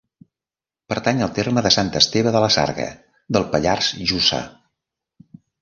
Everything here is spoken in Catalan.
Pertany al terme de Sant Esteve de la Sarga, del Pallars Jussà.